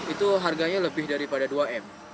itu harganya lebih daripada dua m